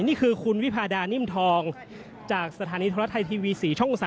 นี่คือคุณวิพาดานิ่มทองจากสถานีโทรทัศน์ไทยทีวี๔ช่อง๓